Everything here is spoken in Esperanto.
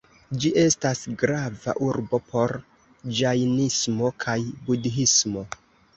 Ĝi estas grava urbo por ĝajnismo kaj budhismo.